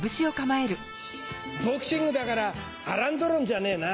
ボクシングだからアラン・ドロンじゃねえな。